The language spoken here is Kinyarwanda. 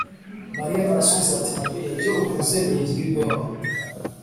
Mariya arasubiza ati: « Ibyo uvuze bingirirweho. »